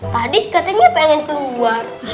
tadi katanya pengen keluar